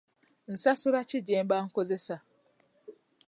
Nsasula ki gyemba nkozesa?